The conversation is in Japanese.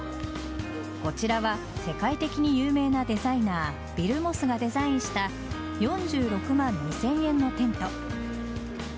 こちらは世界的に有名なデザイナービル・モスがデザインした４６万２０００円のテント。